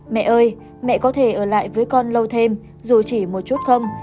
mẹ ơi mẹ có thể ở lại với con lâu thêm dù chỉ một chút không